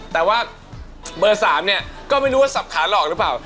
แต่ว่าเบอร์๓เนี่ยก็ไม่รู้ว่าสับขาหลอกหรือเปล่า